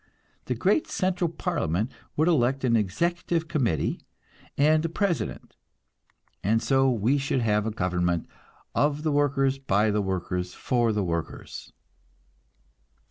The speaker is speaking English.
The great central parliament would elect an executive committee and a president, and so we should have a government of the workers, by the workers, for the workers."